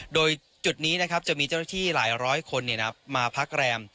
โดยจุดนี้นะครับจะมีเจ้าหน้าที่หลายร้อยคนมาพักแรม